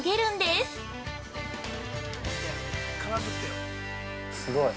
◆すごい。